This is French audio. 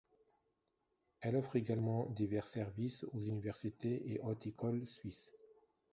Elle offre également divers services aux universités et hautes écoles suisses.